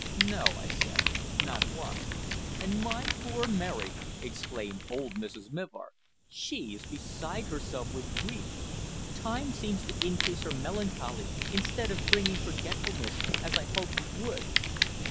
"No," I said; "not one." "And my poor Mary!" exclaimed old Mrs. Mivart; "she is beside herself with grief. Time seems to increase her melancholy, instead of bringing forgetfulness, as I hoped it would."